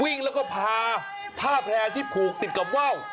วิ่งแล้วก็พาผ้าแพร่ที่ผูกติดกับว่าว